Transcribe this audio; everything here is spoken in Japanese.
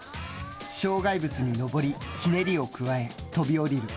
障害物に上りひねりを加え、跳び降りる。